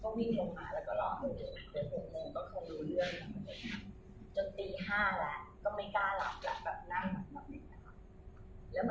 เหมือนก็วิ่งเดียวมาแล้วก็รอเดียว